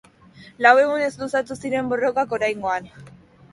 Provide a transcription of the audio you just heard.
Lau egunez luzatu ziren borrokak oraingoan.